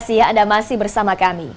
terima kasih anda masih bersama kami